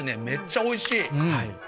めっちゃおいしい。